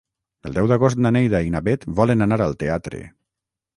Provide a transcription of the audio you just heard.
El deu d'agost na Neida i na Bet volen anar al teatre.